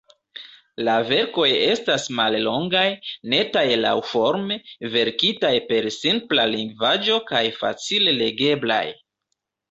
La verkoj estas mallongaj, netaj laŭforme, verkitaj per simpla lingvaĵo kaj facile legeblaj.